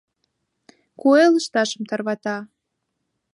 Куэ лышташым тарвата.